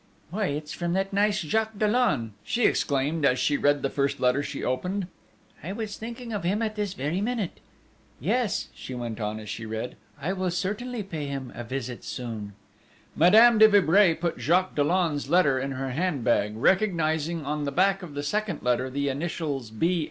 "Why, it's from that nice Jacques Dollon!" she exclaimed, as she read the first letter she opened: "I was thinking of him at this very minute!" ... "Yes," she went on, as she read, "I shall certainly pay him a visit soon!" Madame de Vibray put Jacques Dollon's letter in her handbag, recognising on the back of the second letter the initials B.